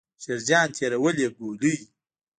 شیرجان تېرې ولي ګولۍ.